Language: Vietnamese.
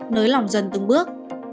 nới lỏng dần từng bước